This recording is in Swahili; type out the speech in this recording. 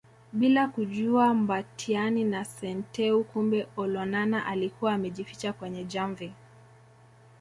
Bila kujua Mbatiany na Senteu kumbe Olonana alikuwa amejificha kwenye jamvi